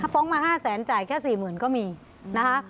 ฟ้องมา๕แสนจ่ายแค่๔๐๐๐ก็มีนะคะ